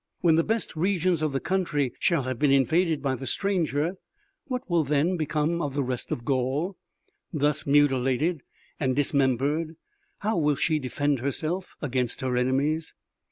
"When the best regions of the country shall have been invaded by the stranger, what will then become of the rest of Gaul? Thus mutilated and dismembered, how will she defend herself against her enemies?"